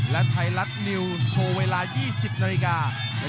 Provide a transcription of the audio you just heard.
และไทรัตนิวโชว์เวลา๒๐นาที